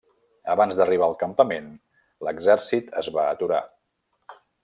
Abans d'arribar al campament, l'exèrcit es va aturar.